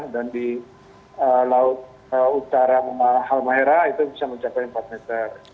dan di laut utara halmahera itu bisa mencapai empat meter